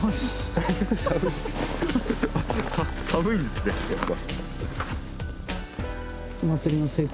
・寒いんっすねやっぱ。